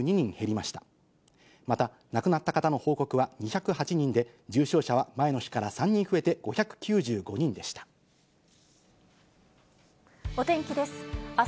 また、亡くなった方の報告は２０８人で、重症者は前の日から３人増えてお天気です。